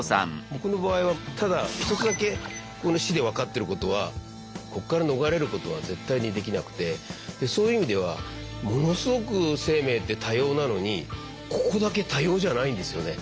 僕の場合はただ一つだけこの死で分かってることはこっから逃れることは絶対にできなくてそういう意味ではものすごく生命って多様なのにここだけ多様じゃないんですよね。